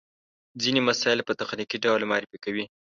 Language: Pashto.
ځينې مسایل په تخنیکي ډول معرفي کوي.